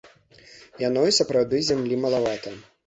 Яно і сапраўды зямлі малавата.